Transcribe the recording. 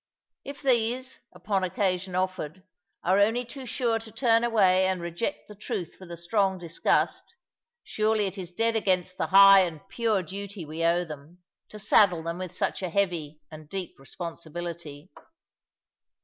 If these, upon occasion offered, are only too sure to turn away and reject the truth with a strong disgust, surely it is dead against the high and pure duty we owe them, to saddle them with such a heavy and deep responsibility.